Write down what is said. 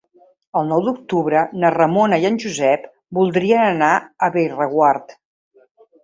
El nou d'octubre na Ramona i en Josep voldrien anar a Bellreguard.